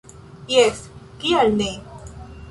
Jes, kial ne?